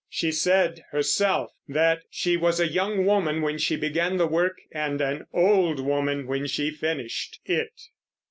She said herself that she was a young woman when she began the work, and an old woman when she finished it.